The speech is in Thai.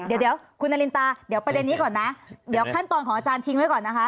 เดี๋ยวคุณนารินตาเดี๋ยวประเด็นนี้ก่อนนะเดี๋ยวขั้นตอนของอาจารย์ทิ้งไว้ก่อนนะคะ